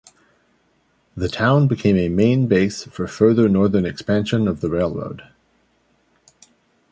The town became a main base for further northern expansion of the railroad.